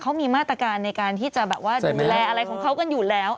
เขามีมาตรการในการที่จะแบบว่าดูแลอะไรของเขากันอยู่แล้ว